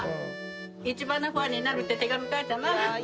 一番のファンになるって、手紙書いたな。